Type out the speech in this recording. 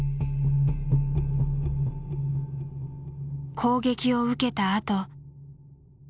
攻撃を受けたあと。